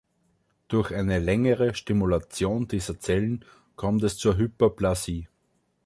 Durch eine längere Stimulation dieser Zellen kommt es zur Hyperplasie.